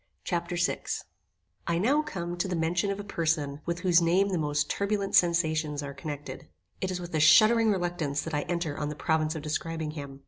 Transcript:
Chapter VI I now come to the mention of a person with whose name the most turbulent sensations are connected. It is with a shuddering reluctance that I enter on the province of describing him.